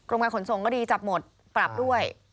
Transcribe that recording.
การขนส่งก็ดีจับหมดปรับด้วย